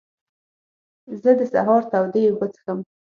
زه د سهار تودې اوبه څښم.